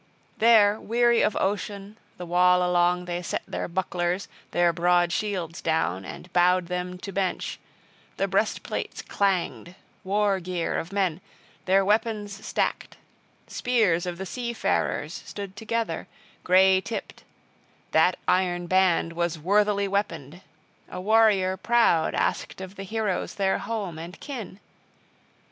There, weary of ocean, the wall along they set their bucklers, their broad shields, down, and bowed them to bench: the breastplates clanged, war gear of men; their weapons stacked, spears of the seafarers stood together, gray tipped ash: that iron band was worthily weaponed! A warrior proud asked of the heroes their home and kin.